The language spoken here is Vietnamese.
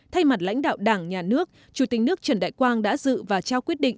thay mặt lãnh đạo đảng nhà nước chủ tịch nước trần đại quang đã dự và trao quyết định